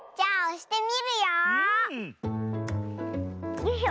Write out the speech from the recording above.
よいしょ。